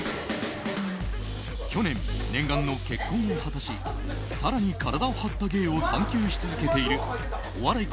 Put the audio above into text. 去年、念願の結婚を果たし更に体を張った芸を探求し続けているお笑い